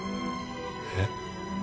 えっ？